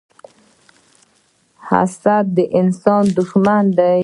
حسد د انسان دښمن دی